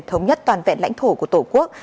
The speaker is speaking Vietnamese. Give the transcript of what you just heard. thống nhất toàn vẹn lãnh thổ của tổ quốc